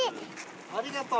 ありがとう。